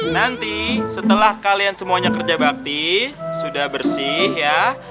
nanti setelah kalian semuanya kerja bakti sudah bersih ya